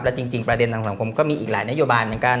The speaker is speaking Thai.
จริงประเด็นทางสังคมก็มีอีกหลายนโยบายเหมือนกัน